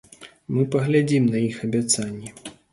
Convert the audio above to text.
Мы паглядзім на іх абяцанні.